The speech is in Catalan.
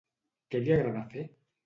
Què li agrada fer?